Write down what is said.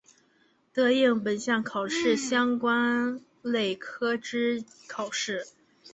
得应本项考试相关类科之考试。